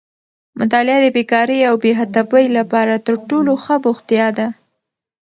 مطالعه د بېکارۍ او بې هدفۍ لپاره تر ټولو ښه بوختیا ده.